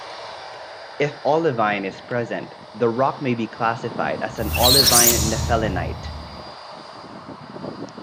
If olivine is present, the rock may be classified as an olivine nephelinite.